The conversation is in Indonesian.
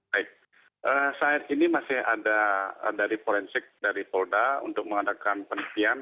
baik saat ini masih ada dari forensik dari polda untuk mengadakan penelitian